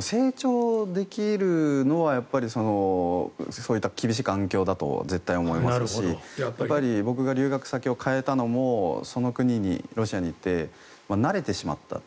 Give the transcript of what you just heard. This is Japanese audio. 成長できるのはやっぱりそういった厳しい環境だと思いますし僕が留学先を変えたのもその国に、ロシアに行って慣れてしまった。